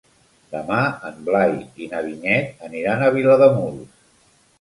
Demà en Blai i na Vinyet aniran a Vilademuls.